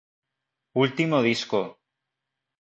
Ultimo disco.